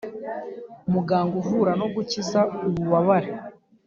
muganga uvura no gukiza ububabare,